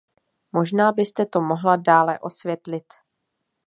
Možná byste to mohla dále osvětlit.